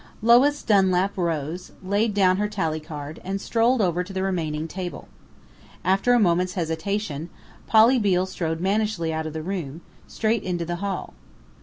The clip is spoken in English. Lois Dunlap rose, laid down her tally card, and strolled over to the remaining table. After a moment's hesitation, Polly Beale strode mannishly out of the room, straight into the hall.